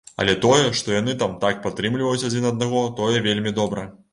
Але тое, што яны там так падтрымліваюць адзін аднаго, тое вельмі добра.